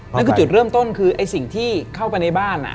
นั่นคือจุดเริ่มต้นคือไอ้สิ่งที่เข้าไปในบ้าน